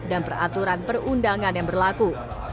dan peraturan perundangan yang berlaku